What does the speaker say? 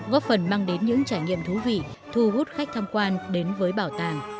góp phần mang đến những trải nghiệm thú vị thu hút khách tham quan đến với bảo tàng